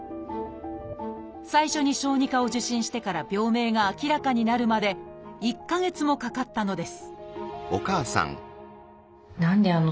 最初に小児科を受診してから病名が明らかになるまで１か月もかかったのです